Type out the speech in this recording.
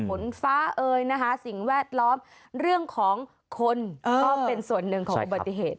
ฝนฟ้าเอยนะคะสิ่งแวดล้อมเรื่องของคนก็เป็นส่วนหนึ่งของอุบัติเหตุ